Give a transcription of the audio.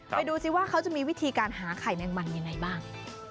ดูสิว่าเขาจะมีวิธีการหาไข่แมงมันยังไงบ้าง